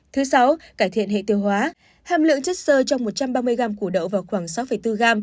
thứ sáu cải thiện hệ tiêu hóa hàm lượng chất sơ trong một trăm ba mươi gram củ đậu vào khoảng sáu bốn gram